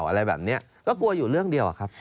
อะไรแบบนี้ก็กลัวอยู่เรื่องเดียวอะครับ